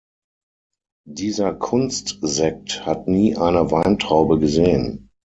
Dieser Kunstsekt hat nie eine Weintraube gesehen.